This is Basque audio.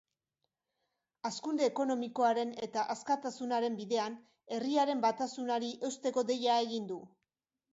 Hazkunde ekonomikoaren eta askatasunaren bidean, herriaren batasunari eusteko deia egin du.